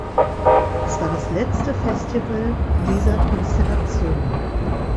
Es war das letzte Festival dieser Konstellation.